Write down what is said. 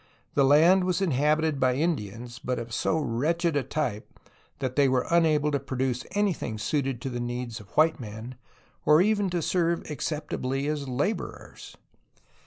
The land was inhabited by Indians, but of so wretched a type that they were unable to produce any thing suited to the needs of white men or even to serve acceptably as laborers.